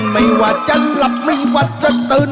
ไม่ว่าจะหลับไม่หวัดจะตื่น